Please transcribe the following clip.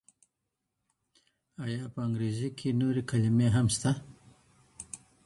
ایا په انګریزي کي نورې کلمې هم سته؟